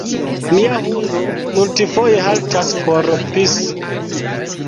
Mia hundo multfoje haltas por pisi